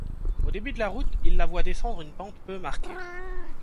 Au début de la route, il la voit descendre une pente peu marquée.